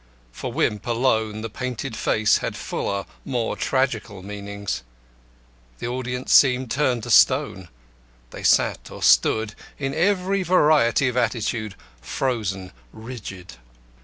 For Wimp, alone, the painted face had fuller, more tragical meanings. The audience seemed turned to stone. They sat or stood in every variety of attitude frozen, rigid.